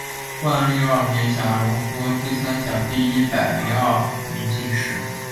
万历二年甲戌科第三甲第一百零二名进士。